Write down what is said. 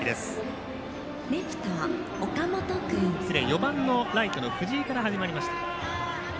４番のライト藤井から始まりました、攻撃です。